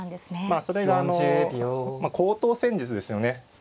まあそれがあの高等戦術ですよね。